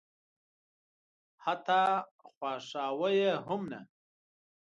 حتی خواښاوه یې هم نه.